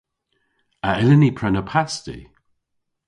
A yllyn ni prena pasti?